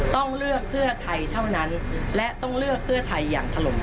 ต้องเลือกเพื่อไทยเท่านั้นและต้องเลือกเพื่อไทยอย่างถล่ม